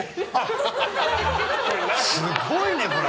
すごいね、これ。